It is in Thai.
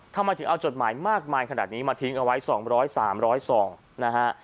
ถ้ามันถึงเอาจดหมายมากมายขนาดนี้มาทิ้งเอาไว้สองร้อยสามร้อยสองนะฮะ